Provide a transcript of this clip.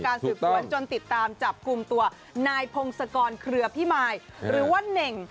สืบสวนจนติดตามจับกลุ่มตัวนายพงศกรเครือพิมายหรือว่าเน่ง